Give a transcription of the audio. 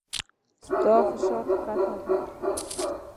ستا فشار کښته دی